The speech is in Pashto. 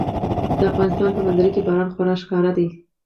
د افغانستان په منظره کې باران خورا ښکاره دی.